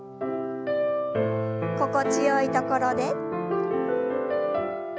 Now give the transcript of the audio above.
心地よいところで。